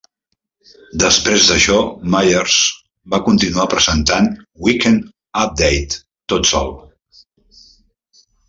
Després d'això, Meyers va continuar presentant "Weekend Update" tot sol.